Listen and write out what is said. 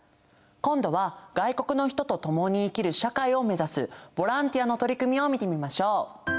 今度は外国の人と共に生きる社会を目指すボランティアの取り組みを見てみましょう。